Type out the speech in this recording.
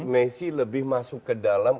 messi lebih masuk ke dalam